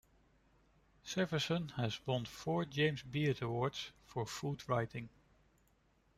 Severson has won four James Beard awards for food writing.